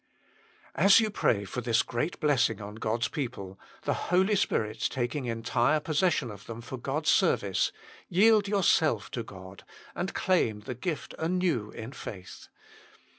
As you pray for this great blessing on God s people, the Holy Spirit taking entire possession of them for God s service, yield yourself to God, and claim the gift anew in faith.